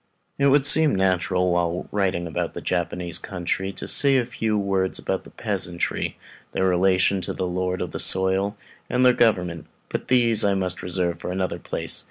It would seem natural, while writing of the Japanese country, to say a few words about the peasantry, their relation to the lord of the soil, and their government. But these I must reserve for another place.